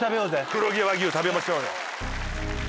黒毛和牛食べましょうよ。